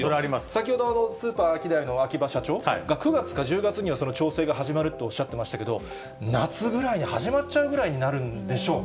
先ほど、スーパーアキダイの秋葉社長が９月か１０月にはその調整が始まるっておっしゃってましたけど、夏ぐらいに始まっちゃうぐらいになるんでしょうね。